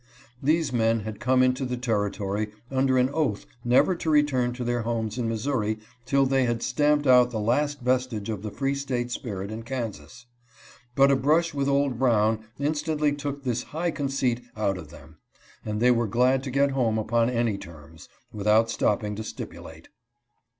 These men had come into the territory under an oath never to return to their homes in Missouri till they had stamped out the last vestige of the free State spirit in Kansas. But a brush with old Brown instantly took this high conceit out of them, and they were glad to get home upon any terms, without stopping to stipulate.